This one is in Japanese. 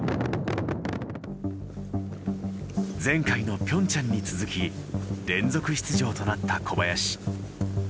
前回のピョンチャンに続き連続出場となった小林。